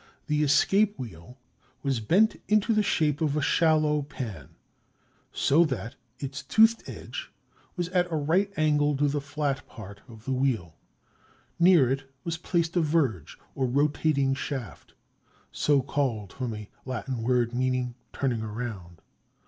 The escape wheel was bent into the shape of a shallow pan, so that its toothed edge was at a right angle to the flat part of the wheel. Near it was placed a verge, or rotating shaft, so called from a Latin word meaning "turning around."